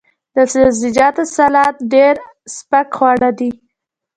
د سبزیجاتو سلاد ډیر سپک خواړه دي.